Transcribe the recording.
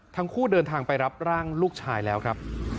ทั้งคู่เดินทางไปรับร่างลูกชายแล้วครับ